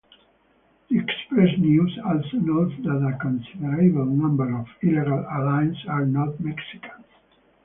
"The Express-News" also notes that a considerable number of illegal aliens are not Mexicans.